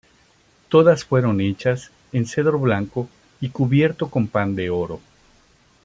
Todas fueron hechas en cedro blanco y cubierto con pan de oro.